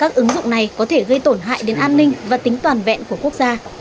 các ứng dụng này có thể gây tổn hại đến an ninh và tính toàn vẹn của quốc gia